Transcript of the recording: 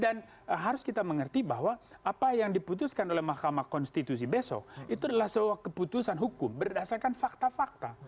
dan harus kita mengerti bahwa apa yang diputuskan oleh mahkamah konstitusi besok itu adalah sebuah keputusan hukum berdasarkan fakta fakta